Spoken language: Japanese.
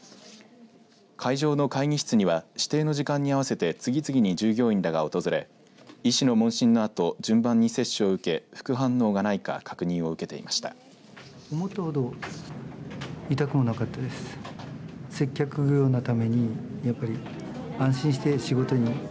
会場の会議室には指定の時間に合わせて次々に従業員らが訪れ医師の問診のあと順番に接種を受け副反応はないか確認を受けていました。